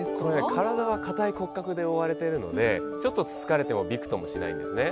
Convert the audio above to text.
体は硬い骨格で覆われているのでちょっと突かれてもびくともしないんですね。